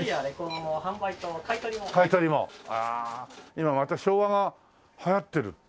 今また昭和が流行ってるっていう。